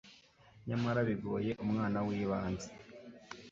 nyamara bigoye umwana wibanze